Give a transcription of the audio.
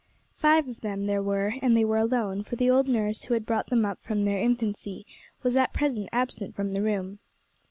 Five of them there were, and they were alone, for the old nurse who had brought them all up from their infancy was at present absent from the room.